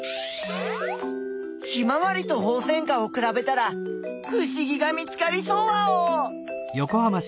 ヒマワリとホウセンカをくらべたらふしぎが見つかりそうワオ！